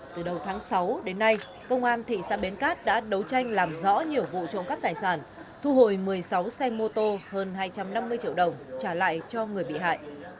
từ đầu tháng sáu đến nay công an thị xã bến cát đã đấu tranh làm rõ nhiều vụ trộm cắp tài sản thu hồi một mươi sáu xe mô tô hơn hai trăm năm mươi triệu đồng trả lại cho người bị hại